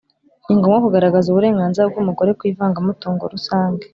ni ngombwa kugaragaza uburenganzira bw’umugore ku ivangamutungo rusange: